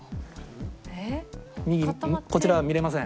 右こちらは見れません。